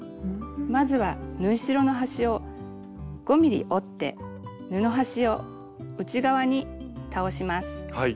まずは縫い代の端を５ｍｍ折って布端を内側に倒します。